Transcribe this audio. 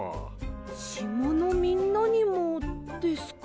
しまのみんなにもですか？